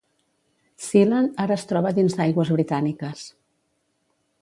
Sealand ara es troba dins d'aigües britàniques.